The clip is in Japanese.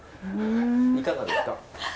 いかがですか？